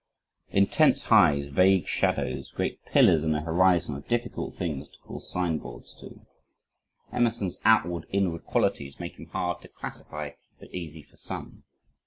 Intense lights vague shadows great pillars in a horizon are difficult things to nail signboards to. Emerson's outward inward qualities make him hard to classify, but easy for some.